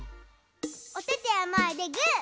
おててをまえでグー。